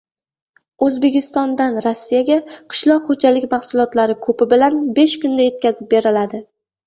O‘zbekistondan Rossiyaga qishloq xo‘jaligi mahsulotlari ko‘pi bilan besh kunda yetkazib beriladi